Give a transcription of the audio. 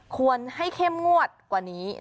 ควรให้เข้มงวดกว่านี้